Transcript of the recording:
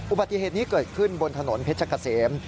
อุบัติเหตุนี้เกิดขึ้นบนถนนเพชรเกษม